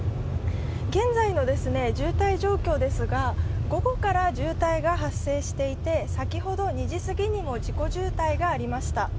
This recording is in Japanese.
現在の渋滞状況ですが午後から渋滞が発生していて先ほど、事故渋滞がありました。